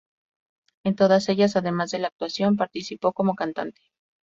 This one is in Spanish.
En todas ellas, además de la actuación, participó como cantante.